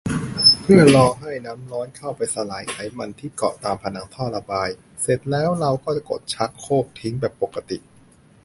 เพื่อรอให้น้ำร้อนเข้าไปสลายไขมันที่เกาะตามผนังท่อระบาย เสร็จแล้วเราก็กดชักโครกทิ้งแบบปกติ